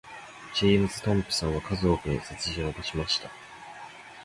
ジェームズトムプソンは数多くの殺人を犯しました。